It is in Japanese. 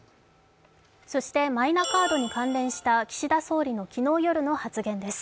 そして、マイナカードに関連した、岸田総理の昨日夜の発言です。